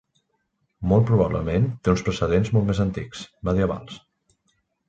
Molt probablement té uns precedents molt més antics, medievals.